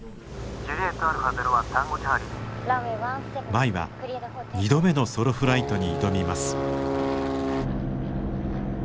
舞は２度目のソロフライトに挑みます。